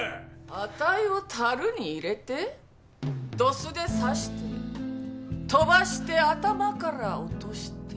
あたいを樽に入れてドスで刺して飛ばして頭から落として。